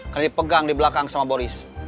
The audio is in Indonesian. karena dipegang di belakang sama boris